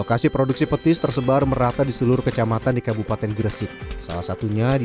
lokasi produksi petis tersebar merata di seluruh kecamatan di kabupaten gresik salah satunya di